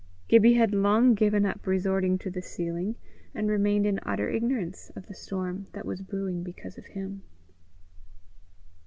Gibbie had long given up resorting to the ceiling, and remained in utter ignorance of the storm that was brewing because of him.